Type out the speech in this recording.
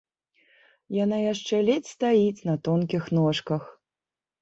Яна яшчэ ледзь стаіць на тонкіх ножках.